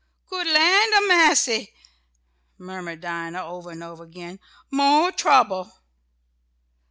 "Good land ob massy!" murmured Dinah over and over again. "Mo' trouble!"